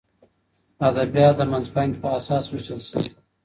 ادبیات د منځپانګې په اساس وېشل شوي دي.